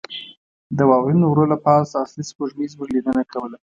د واورینو غرو له پاسه اصلي سپوږمۍ زموږ لیدنه کوله.